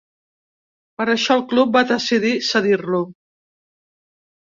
Per això el club va decidir cedir-lo.